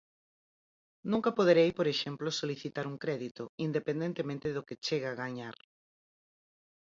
Nunca poderei, por exemplo, solicitar un crédito, independentemente do que chegue a gañar.